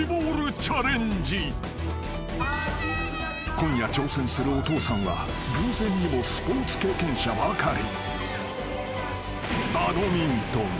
［今夜挑戦するお父さんは偶然にもスポーツ経験者ばかり］